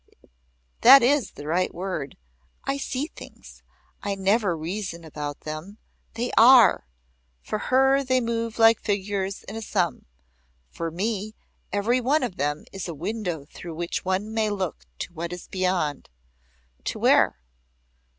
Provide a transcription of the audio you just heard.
That is the right word. I see things I never reason about them. They are. For her they move like figures in a sum. For me every one of them is a window through which one may look to what is beyond." "To where?"